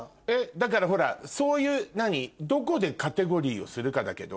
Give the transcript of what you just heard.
だからほらそういうどこでカテゴリーをするかだけど。